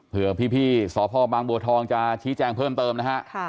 เพื่อพี่สพบางบัวทองจะชี้แจงเพิ่มเติมนะฮะ